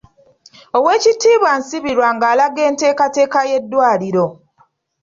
Owekitiibwa Nsibirwa ng'alaga enteekateeka y'eddwaliro.